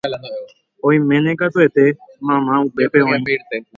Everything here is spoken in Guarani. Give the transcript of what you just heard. oiméne katuete mamá upépe oĩ